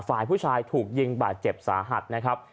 ฝ่ายผู้ชายถูกยิงบาดเจ็บสาหัสนะครับ